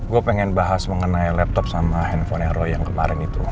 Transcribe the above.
gue pengen bahas mengenai laptop sama handphone aero yang kemarin itu